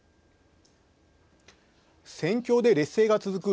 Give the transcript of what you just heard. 戦況で劣勢が続く